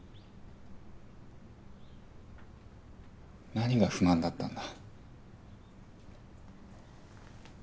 何が不満だったんだ。